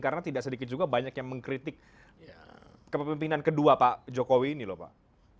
karena tidak sedikit juga banyak yang mengkritik kepemimpinan kedua pak jokowi ini lho pak